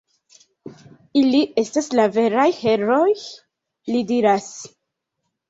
Ili estas la veraj herooj, li diras.